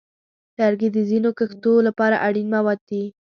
لرګي د ځینو کښتو لپاره اړین مواد دي.